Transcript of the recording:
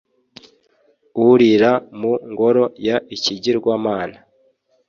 urira mu ngoro y ikigirwamana